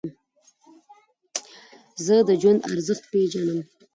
زه د ژوند ارزښت پېژنم.